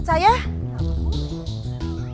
eh ditanya malah nggak jalan